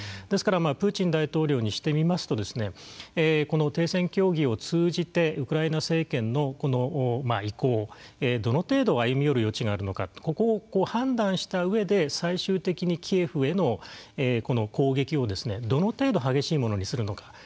ですから、プーチン大統領にしてみますとこの停戦協議を通じてウクライナ政権の意向どの程度歩み寄る余地があるのかここを判断した上で最終的にキエフへの攻撃をどの程度激しいものにするのか。